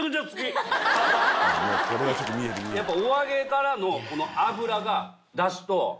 やっぱ。